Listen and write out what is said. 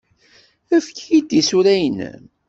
Efk-iyi-d tisura-nnem.